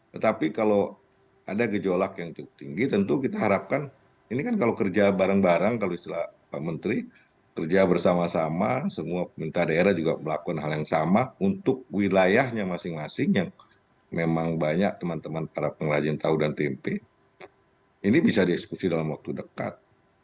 tetapi kalau ada gejolak yang cukup tinggi tentu kita harapkan ini kan kalau kerja bareng bareng kalau istilah pak menteri kerja bersama sama semua pemerintah daerah juga melakukan hal yang sama untuk wilayahnya masing masing yang memang banyak teman teman para pengrajin tahu dan tmp ini bisa dieksekusi dalam waktu dekat